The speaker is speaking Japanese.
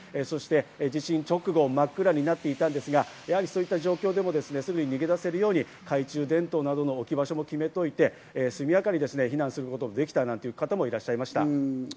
そして地震直後、真っ暗になっていたんですが、そういった状況でもすぐに逃げ出せるように懐中電灯などの置き場所も決めておいて速やかに避難することができたという方もいらっしゃいました。